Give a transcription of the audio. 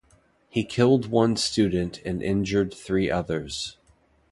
He killed one student and injured three others.